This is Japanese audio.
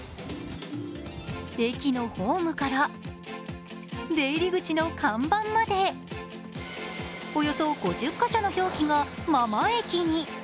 駅のホームから出入り口の看板までおよそ５０カ所の表記が「ママ駅」に。